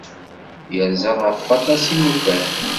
Yerza ɣef waṭas n yimukan.